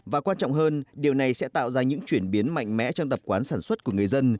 và quan trọng hơn điều này sẽ tạo ra những chuyển biến mạnh mẽ trong tập quán sản xuất của người dân